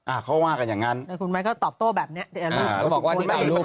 อ่าเขาว่ากันอย่างนั้นแต่คุณแมทก็ตอบโต้แบบเนี่ยว่าที่ไหม